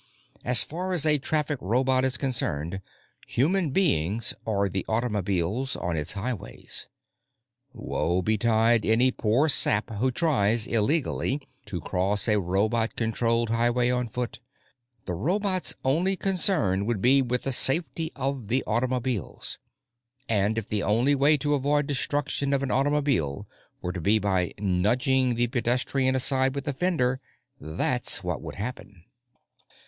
As far as a traffic robot is concerned, "human beings" are the automobiles on its highways. Woe betide any poor sap who tries, illegally, to cross a robot controlled highway on foot. The robot's only concern would be with the safety of the automobiles, and if the only way to avoid destruction of an automobile were to be by nudging the pedestrian aside with a fender, that's what would happen.